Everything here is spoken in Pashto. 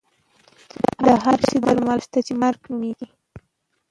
د هر شي درملنه شته چې مرګ نومېږي.